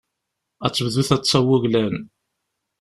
Ad tebdu taḍsa n wuglan.